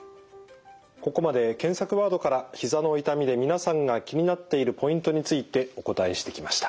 ここまで検索ワードからひざの痛みで皆さんが気になっているポイントについてお答えしてきました。